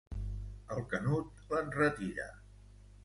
El Canut l'enretira.